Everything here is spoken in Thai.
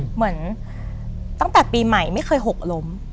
เหมือนตั้งแต่ปีใหม่ไม่เคยหกล้ม